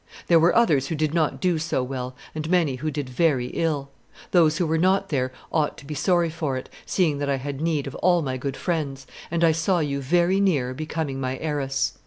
There were others who did not do so well, and many who did very ill. Those who were not there ought to be sorry for it, seeing that I had need of all my good friends, and I saw you very near becoming my heiress."